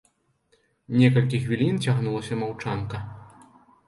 Некалькі хвілін цягнулася маўчанка.